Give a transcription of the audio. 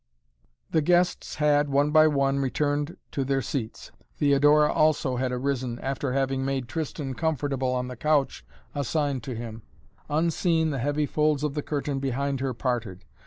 The guests had, one by one, returned to their seats. Theodora also had arisen, after having made Tristan comfortable on the couch assigned to him. Unseen, the heavy folds of the curtain behind her parted.